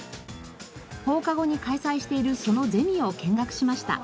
放課後に開催しているそのゼミを見学しました。